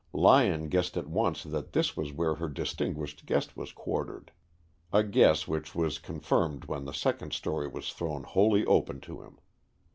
Lyon guessed at once that this was where her distinguished guest was quartered, a guess which was confirmed when the second story was thrown wholly open to him.